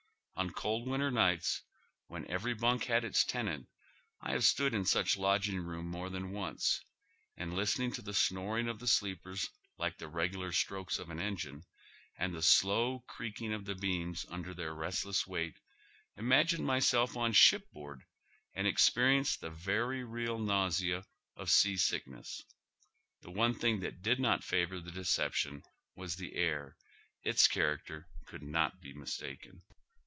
On cold winter nights, when every bunk had its tenant, I have stood in such a lodging room more than once, and listening to the snoring of the sleepers like the regular strokes of an engine, and the slow creaking of the beams under their restless weight, imagined myself on shipboard and experienced the very oy Google 88 HOW THE OTHER HALF LIVES. i eal nausea of sea sickness. The one thing that did not favor the deception was the air ; its character couid not be mistaken.